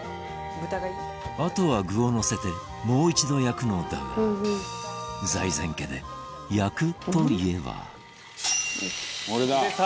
あとは、具をのせてもう一度、焼くのだが財前家で、焼くといえばバカリズム：出た！